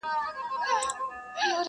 شیخه چي په شک مي درته وکتل معذور یمه.!